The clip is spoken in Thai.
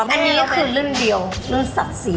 อันนี้ก็คือเรื่องเดียวเรื่องศักดิ์ศรี